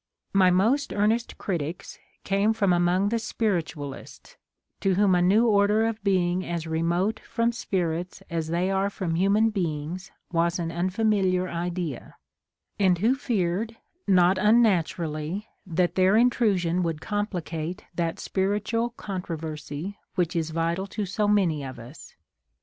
My most earnest critics came from among the spiritualists, to whom a new order of being as remote from spirits as they are from human beings was an unfamiliar idea, and who feared, not unnaturally, that their 26 HOW THE MATTER AROSE intrusion would complicate that spiritual controversy which is vital to so many of us.